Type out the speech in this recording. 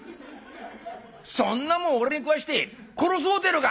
そんなもん俺に食わして殺そうってえのか！」。